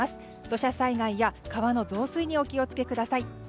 土砂災害や川の増水にお気をつけください。